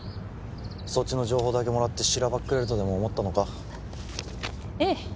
そっちの情報だけもらってしらばっくれるとでも思ったのかええ